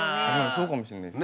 そうかもしれないです。